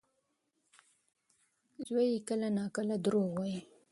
زوی یې کله ناکله دروغ وايي.